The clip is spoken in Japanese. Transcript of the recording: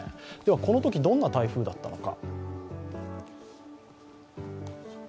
このとき、どんな台風だったのか。